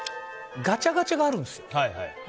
ガチャガチャがあるんですよ。